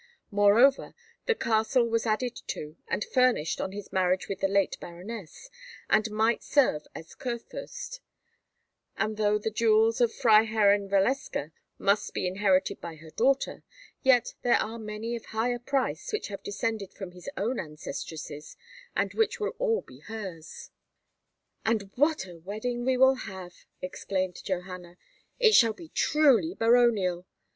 Moreover, the Castle was added to and furnished on his marriage with the late baroness, and might serve a Kurfürst; and though the jewels of Freiherrinn Valeska must be inherited by her daughter, yet there are many of higher price which have descended from his own ancestresses, and which will all be hers." "And what a wedding we will have!" exclaimed Johanna; "it shall be truly baronial.